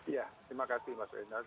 ya terima kasih mas reinhardt